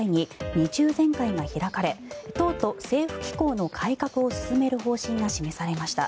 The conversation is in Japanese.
２中全会が開かれ党と政府機構の改革を進める方針が示されました。